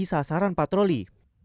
di sasaran patroli